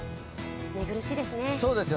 寝苦しいですね。